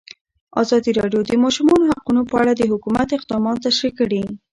ازادي راډیو د د ماشومانو حقونه په اړه د حکومت اقدامات تشریح کړي.